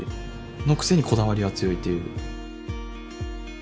のくせにこだわりは強いっていう。